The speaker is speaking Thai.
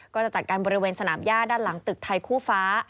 ก็จะจัดการบริเวณสนามย่าด้านหลังตึกไทยคู่ฟ้า